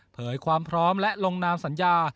ความพร้อมและลงนามสัญญา